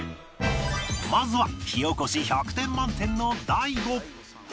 まずは火起こし１００点満点の大悟